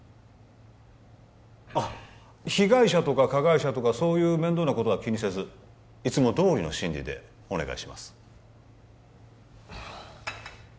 あっ被害者とか加害者とかそういう面倒なことは気にせずいつもどおりのシンディーでお願いします